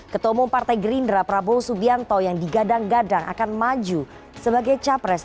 ketua umum partai gerindra prabowo subianto yang digadang gadang akan maju sebagai capres